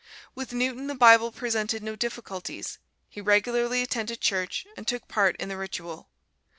With Newton the Bible presented no difficulties. He regularly attended church and took part in the ritual.